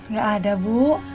gak ada bu